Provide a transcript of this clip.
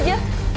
ikutan keluar aja